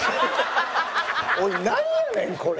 おいなんやねんこれ。